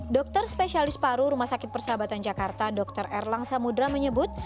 dokter spesialis paru rumah sakit persahabatan jakarta dr erlang samudera menyebut